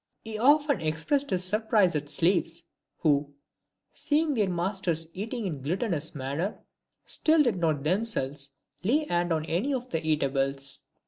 He often expressed his surprise at slaves, who, seeing their masters eating in a gluttonous manner, still do not themselves lay hands on any of the eatables.